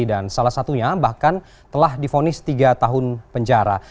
dan salah satunya bahkan telah difonis tiga tahun penjara